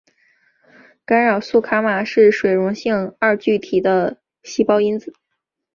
干扰素伽玛是水溶性二聚体的细胞因子。